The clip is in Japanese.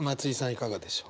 いかがでしょう。